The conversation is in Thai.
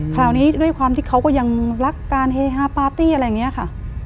คราวนี้ด้วยความที่เขาก็ยังรักการเฮฮาปาร์ตี้อะไรอย่างนี้ค่ะ